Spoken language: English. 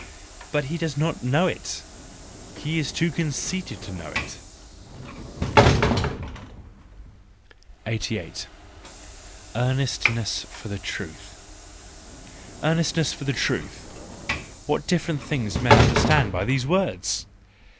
—But he does not know it! He is too conceited to know it 88 . Earnestness for the Truth ,—Earnest for the truth ! What different things men understand by these words!